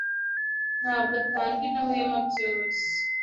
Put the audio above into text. ntabwo atanga inawema byoroshye.